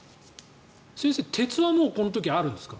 先生鉄はもうこの時あるんですか？